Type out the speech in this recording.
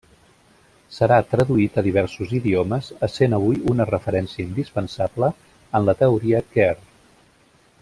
Serà traduït a diversos idiomes, essent avui una referència indispensable en la teoria queer.